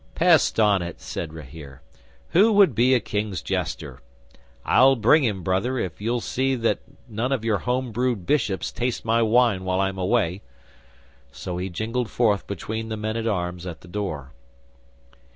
'"Pest on it," said Rahere. "Who would be a King's jester? I'll bring him, Brother, if you'll see that none of your home brewed bishops taste my wine while I am away." So he jingled forth between the men at arms at the door.